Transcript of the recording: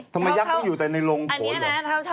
ทำไมยักษ์ต้องอยู่ในโรงโผล่หรือ